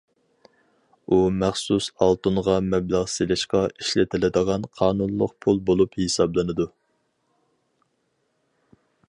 ئۇ مەخسۇس ئالتۇنغا مەبلەغ سېلىشقا ئىشلىتىلىدىغان قانۇنلۇق پۇل بولۇپ ھېسابلىنىدۇ.